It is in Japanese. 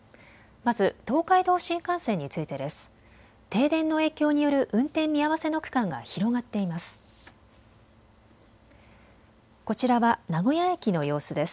まず東海道新幹線についてです。